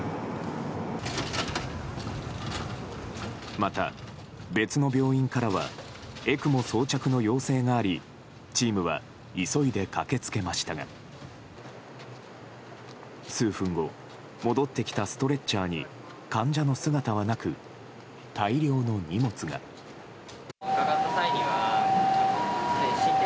また別の病院からはＥＣＭＯ装着の要請がありチームは急いで駆け付けましたが数分後戻ってきたストレッチャーに患者の姿はなく、大量の荷物が。